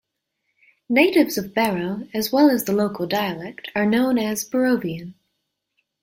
Natives of Barrow, as well as the local dialect, are known as Barrovian.